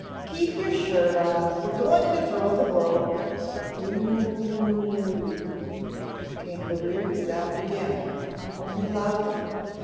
"Keep your shirt on, we're going to throw the rope " "Woo oo o oh," came the weird sound again, only louder.